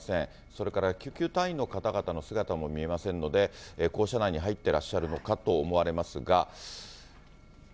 それから救急隊員の方々の姿も見えませんので、校舎内に入ってらっしゃるのかと思われますが。